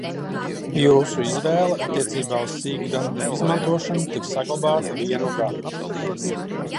Jūsu izvēle attiecībā uz sīkdatņu izmantošanu tiks saglabāta vienu gadu.